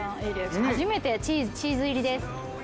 初めてチーズ入りです。